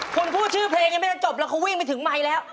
คุณพูดชื่อเพลงยังไม่จะจบแล้วเขาวิ่งไปถึงไมค์แล้ว